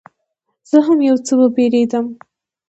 زه هم یو څه وبېرېدم.